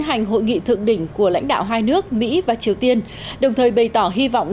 hành hội nghị thượng đỉnh của lãnh đạo hai nước mỹ và triều tiên đồng thời bày tỏ hy vọng